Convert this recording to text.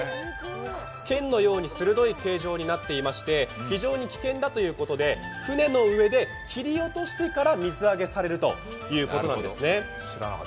剣のように鋭い形状になっていまして非常に危険だということで船の上で切り落としてから水揚げされるということなんですね。